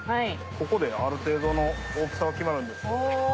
ここである程度の大きさが決まるんです。